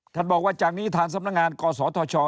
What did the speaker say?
บอกว่าจากนี้ทางสำนักงานกศธช